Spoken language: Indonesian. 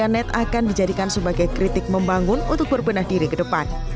dan net akan dijadikan sebagai kritik membangun untuk berbenah diri ke depan